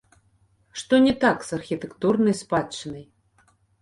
Што не так з архітэктурнай спадчынай?